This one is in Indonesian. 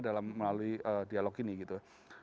dalam melalui dialog ini gitu